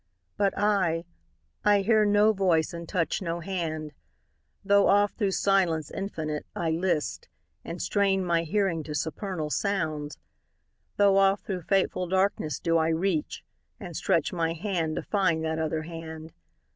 But I I hear no voice and touch no hand, Tho' oft thro' silence infinite, I list, And strain my hearing to supernal sounds; Tho' oft thro' fateful darkness do I reach, And stretch my hand to find that other hand.